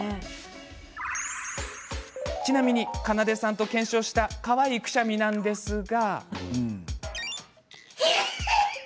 ちなみに、かなでさんと検証したかわいいくしゃみなんですが。